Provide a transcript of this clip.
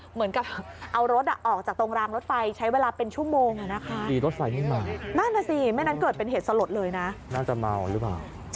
หลังจากนั้นรถก็ยุด